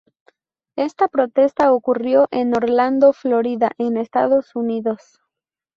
Esta protesta ocurrió en Orlando, Florida en Estados Unidos.